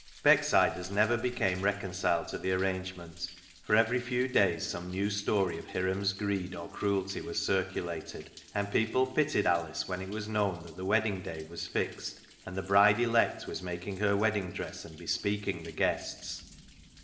Becksiders never became reconciled to the arrangement, for every few days some new story of Hiram's greed or cruelty was circu lated, and people pitied Alice when it was known that the wedding day was fixed, and the bride elect was making her wedding dress and bespeaking the guests.